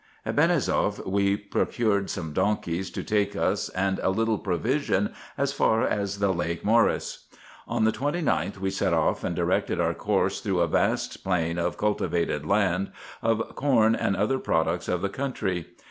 At Benisouef we procured some donkeys to take us and a little provision as far as the lake Mceris. On the 29th we set off, and directed our course through a vast plain of cultivated land, of corn and other products of the country.